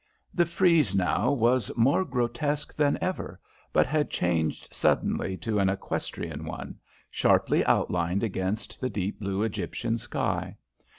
The frieze now was more grotesque than ever, but had changed suddenly to an equestrian one, sharply outlined against the deep blue Egyptian sky.